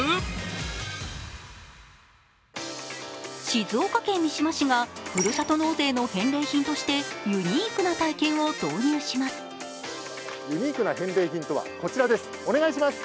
静岡県三島市がふるさと納税の返礼品としてユニークな体験を導入します。